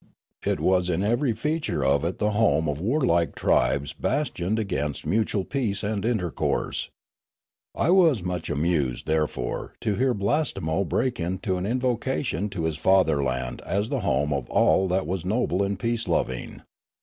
It was in every feature of it the home of warlike tribes bastioned against mutual peace and intercourse. I was much amused, therefore, to hear Blastemo break into an in vocation to his fatherland as the home of all that was noble and peace loving.